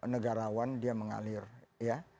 negarawan dia mengalir ya